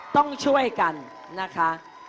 ต้องช่วยกันนะคะ